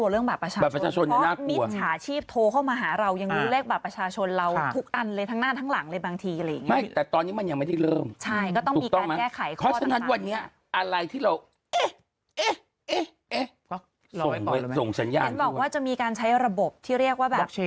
เอ๊ะเอ๊ะเอ๊ะส่งสัญญาณบอกว่าจะมีการใช้ระบบที่เรียกว่าแบบ